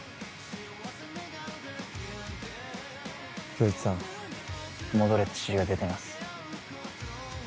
恭一さん戻れって指示が出てます。